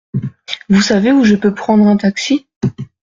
Vous savez où je peux prendre un taxi ?